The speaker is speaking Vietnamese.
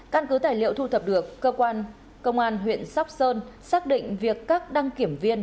căn cứ tài liệu thu thập được cơ quan công an huyện sóc sơn xác định việc các đăng kiểm viên